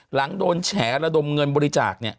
หลังโดนแฉระดมเงินบริจาค